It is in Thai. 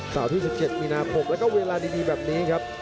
ที่๑๗มีนาคมแล้วก็เวลาดีแบบนี้ครับ